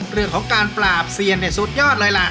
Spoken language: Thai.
เรื่องของการปราบเซียนสุดยอดเลยล่ะ